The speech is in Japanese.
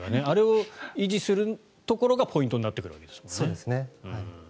あれを維持するところがポイントになってくるわけですもんね。